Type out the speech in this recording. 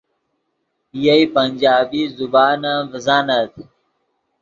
یئے پنجابی زبان ام ڤزانت